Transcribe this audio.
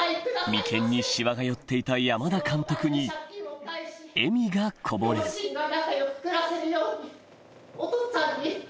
眉間にしわが寄っていた山田監督に笑みがこぼれる仲良く暮らせるようにおとっつぁんに。